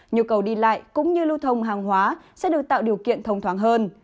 nhu cầu đi lại cũng như lưu thông hàng hóa sẽ được tạo điều kiện thông thoáng hơn